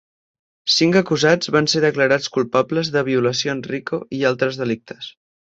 Cinc acusats van ser declarats culpables de violacions Rico i altres delictes.